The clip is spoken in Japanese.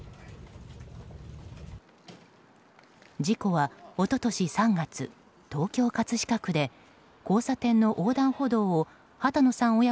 事故は一昨年３月東京・葛飾区で交差点の横断歩道を波多野さん